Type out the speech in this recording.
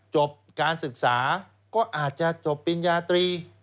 จบการศึกษาก็อาจจะจบปริญญาตรี